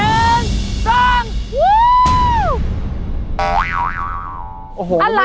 อันที่สุดท้าย